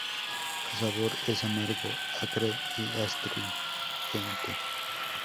Su sabor es amargo, acre y astringente.